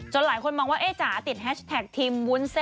หลายคนมองว่าเอ๊จ๋าติดแฮชแท็กทีมวุ้นเส้น